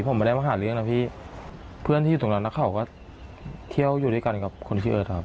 ผมไม่ได้มาหาเรื่องนะพี่เพื่อนที่อยู่ตรงนั้นแล้วเขาก็เที่ยวอยู่ด้วยกันกับคุณพี่เอิร์ทครับ